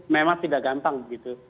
memang tidak gampang begitu